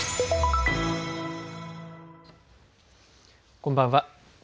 こんばんは。